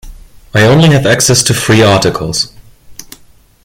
I only have access to free articles.